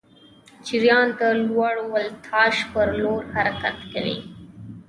جریان د لوړ ولتاژ پر لور حرکت کوي.